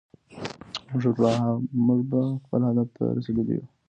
موږ به خپل هدف ته رسېدلي يو.